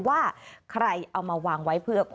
ว่าใครเอามาวางไว้